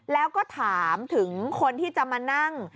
แล้วก็ถามถึงคนที่จะมานั่ง